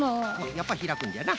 やっぱりひらくんじゃな。